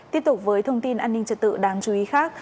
tiếp tục với thông tin an ninh trật tự đáng chú ý khác